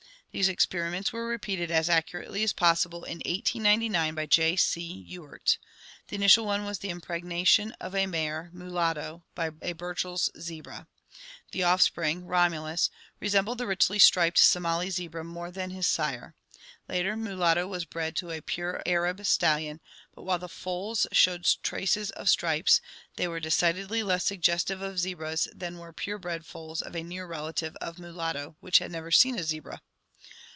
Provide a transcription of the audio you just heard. These experiments were repeated as accurately as possible in 1899 by J. C. Ewart. The initial one was the impregnation of a mare, "Mulatto," by a BurchelPs zebra. The offspring,' " Romulus," resembled the richly striped Somali zebra more than his sire. Later " Mulatto " was bred to a pure Arab stallion, but while the foals showed traces of stripes, they were decidedly less suggestive of zebras than were pure bred foals of a near relative of " Mulatto " which had never seen a zebra.